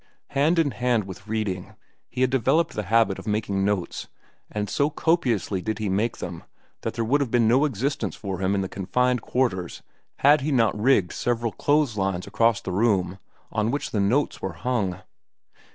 Hand in hand with reading, he had developed the habit of making notes, and so copiously did he make them that there would have been no existence for him in the confined quarters had he not rigged several clothes lines across the room on which the notes were hung.